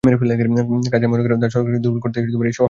কারজাই মনে করেন, তাঁর সরকারকে দুর্বল করতেই এসব হামলা চালানো হয়েছে।